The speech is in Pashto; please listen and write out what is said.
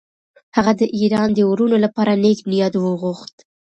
هغه د ایران د وروڼو لپاره نېک نیت وغوښت.